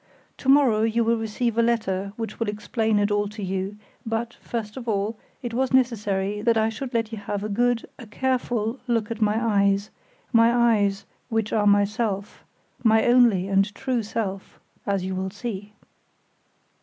To morrow you will receive a letter which will explain it all to you, but, first of all, it was necessary that I should let you have a good, a careful look at my eyes, my eyes, which are myself, my only and true self, as you will see."